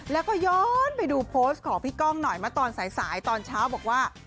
แล้วก็ย้อนไปดูโพสต์ของพี่ก้องหน่อยเมื่อตอนสายตอนเช้าบอกว่า